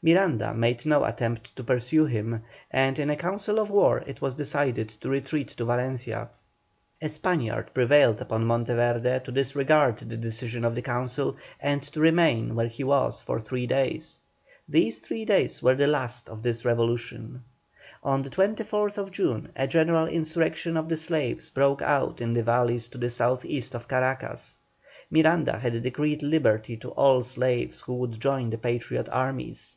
Miranda made no attempt to pursue him, and in a council of war it was decided to retreat to Valencia. A Spaniard prevailed upon Monteverde to disregard the decision of the council, and to remain where he was for three days. These three days were the last of this revolution. On the 24th June a general insurrection of the slaves broke out in the valleys to the south east of Caracas. Miranda had decreed liberty to all slaves who would join the Patriot armies.